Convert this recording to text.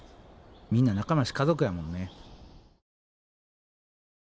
みんな仲間やし家族やもんね。